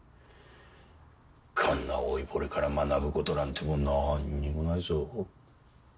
こんな老いぼれから学ぶことなんてもうなーんにもないぞ。